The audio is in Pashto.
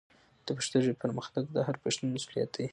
د پښتو ژبې پرمختګ د هر پښتون مسؤلیت دی.